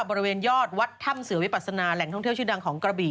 บริเวณยอดวัดถ้ำเสือวิปัสนาแหล่งท่องเที่ยวชื่อดังของกระบี่